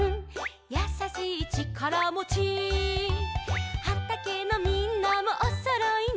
「やさしいちからもち」「はたけのみんなもおそろいね」